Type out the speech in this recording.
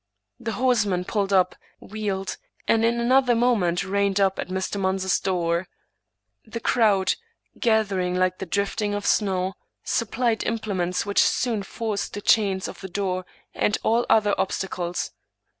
The horsemen pulled up, wheeled, and in another moment reined up at Mr. Mun zer's door. The crowd, gathering like the drifting of snow, supplied implements which soon forced the chains of the door and all other obstacles.